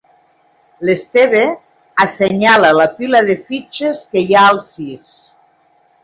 L'Esteve assenyala la pila de fitxes que hi ha al sis.